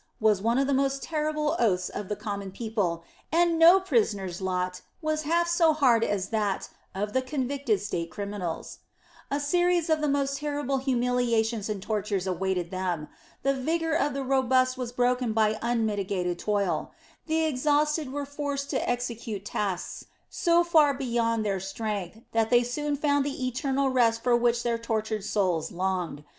was one of the most terrible oaths of the common people, and no prisoner's lot was half so hard as that of the convicted state criminals. A series of the most terrible humiliations and tortures awaited them. The vigor of the robust was broken by unmitigated toil; the exhausted were forced to execute tasks so far beyond their strength that they soon found the eternal rest for which their tortured souls longed.